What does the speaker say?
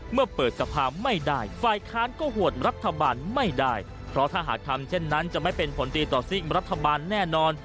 เมื่อเปิดสภาไม่ได้ฝ่ายค้านก็โหวตรัฐบาลไม่ได้เพราะถ้าหากทำเช่นนั้นจะไม่เป็นผลดีต่อซิกรัฐบาลแน่นอน